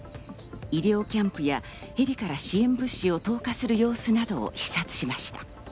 医療キャンプや、ヘリから支援物資を投下する様子などを視察しました。